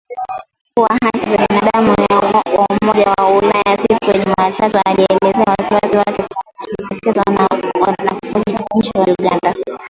Mkuu wa haki za binadamu wa Umoja wa Ulaya siku ya Jumatano alielezea wasiwasi wake kuhusu kuteswa kwa wafungwa nchini Uganda